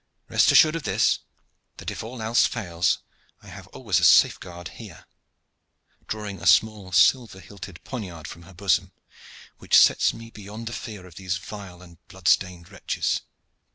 Rest assured of this, that if all else fail I have always a safeguard here" drawing a small silver hilted poniard from her bosom "which sets me beyond the fear of these vile and blood stained wretches."